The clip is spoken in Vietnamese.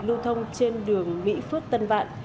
lưu thông trên đường mỹ phước tân vạn